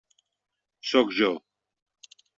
Sóc jo.